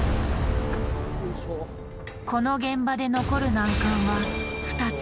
この現場で残る難関は２つ。